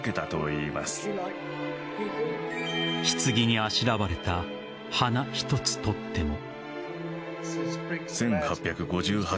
棺にあしらわれた花一つとっても。